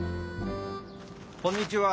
こんにちは！